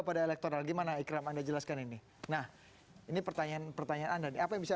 pada elektoral gimana ikram anda jelaskan ini nah ini pertanyaan pertanyaan anda nih apa yang bisa